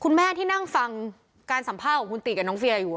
คุณแม่ที่นั่งฟังการสัมภาษณ์ของคุณติกับน้องเฟียอยู่